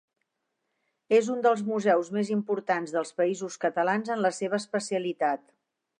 És un dels museus més importants dels Països Catalans en la seva especialitat.